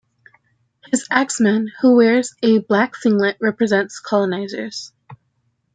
His axeman, who wears a black singlet, represents colonisers.